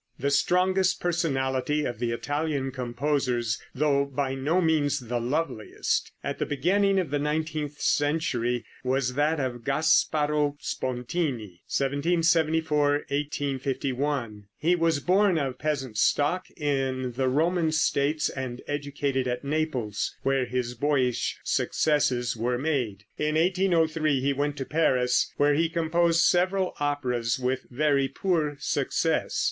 The strongest personality of the Italian composers (though by no means the loveliest), at the beginning of the nineteenth century, was that of Gasparo Spontini (1774 1851). He was born of peasant stock in the Roman states and educated at Naples, where his boyish successes were made. In 1803 he went to Paris, where he composed several operas with very poor success.